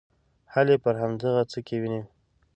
حل یې پر همدغه څه کې وینو.